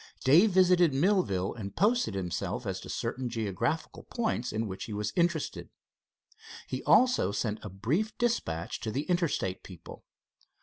Dave visited Millville, and posted himself as to certain geographical points in which he was interested. He also sent a brief dispatch to the Interstate people.